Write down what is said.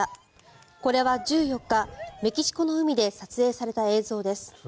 これは１４日、メキシコの海で撮影された映像です。